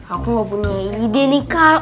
aku gak punya ide nih kal